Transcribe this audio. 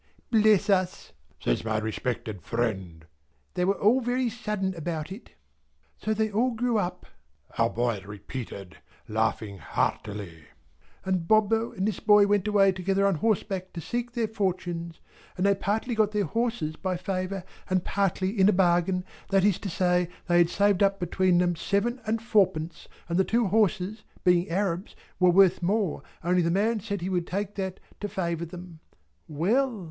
"Bless us!" says my respected friend. "They were very sudden about it." "So they all grew up," our boy repeated, laughing heartily, "and Bobbo and this boy went away together on horseback to seek their fortunes, and they partly got their horses by favour, and partly in a bargain; that is to say, they had saved up between them seven and fourpence, and the two horses, being Arabs, were worth more, only the man said he would take that, to favour them. Well!